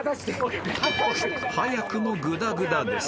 ［早くもグダグダです］